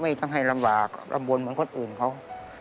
ต้องให้ลำบากลำบลเหมือนคนอื่นเขา